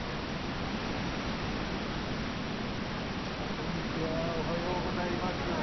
こんにちはおはようございます。